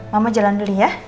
mama jalan dulu ya